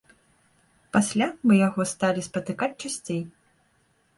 Пасля мы яго сталі спатыкаць часцей.